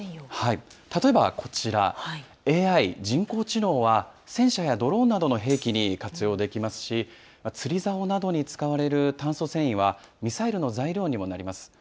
例えばこちら、ＡＩ・人工知能は戦車やドローンなどの兵器に活用できますし、釣りざおなどに使われる炭素繊維は、ミサイルの材料にもなります。